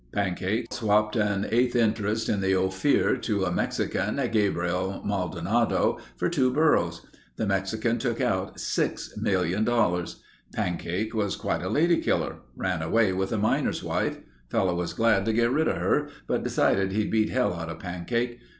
Pancake swapped an eighth interest in the Ophir to a Mexican, Gabriel Maldonado, for two burros. The Mexican took out $6,000,000. Pancake was quite a lady killer. Ran away with a miner's wife. Fellow was glad to get rid of her, but decided he'd beat hell out of Pancake.